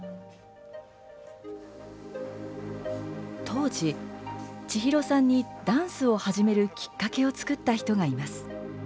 当時、千尋さんにダンスを始めるきっかけを作った人がいます。